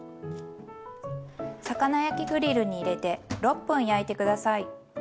魚焼きグリルに入れて６分焼いて下さい。